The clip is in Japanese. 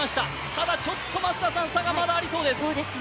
ただちょっと差がまだありそうです。